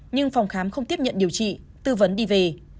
nhưng phòng khám không tiếp nhận điều trị tư vấn đi về